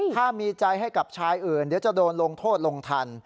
ถ้ามีใจให้กับชายอื่นเดี๋ยวจะโดนลงโทษลงทัน